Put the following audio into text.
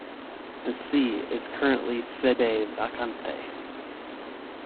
The see is currently sede vacante.